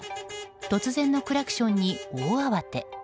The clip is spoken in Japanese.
突然のクラクションに大慌て。